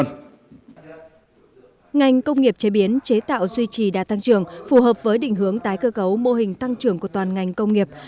nghành công nghiệp chế biến chế tạo duy trì đã tăng trưởng phù hợp với định hướng tái cơ cấu mô hình tăng trưởng của toàn ngành công nghiệp